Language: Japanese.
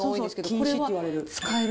禁止って言われる。